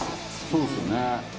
「そうですよね」